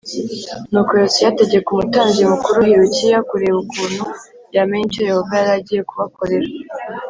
Nuko yosiya ategeka umutambyi mukuru hilukiya kureba ukuntu yamenya icyo yehova yari agiye kubakorera